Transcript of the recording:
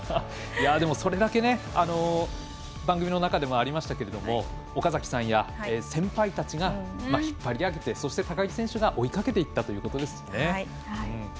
それだけ番組の中でもありましたけれども岡崎さんや先輩たちが引っ張り上げて、高木選手が追いかけていったってことですね。